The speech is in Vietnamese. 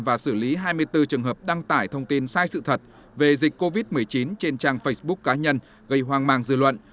và xử lý hai mươi bốn trường hợp đăng tải thông tin sai sự thật về dịch covid một mươi chín trên trang facebook cá nhân gây hoang mang dư luận